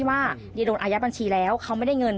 เขาไปโดนอาญญาบัญชีแล้วเขาไม่ได้เงิน